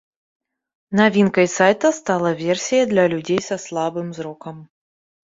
Навінкай сайта стала версія для людзей са слабым зрокам.